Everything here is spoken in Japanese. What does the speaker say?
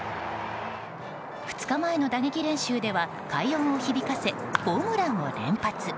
２日前の打撃練習では快音を響かせホームランを連発。